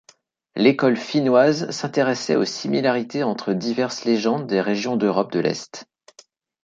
L’école finnoise s’intéressait aux similarités entre diverses légendes des régions d’Europe de l’Est.